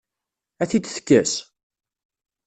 Ad t-id-tekkes?